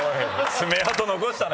爪痕残したね。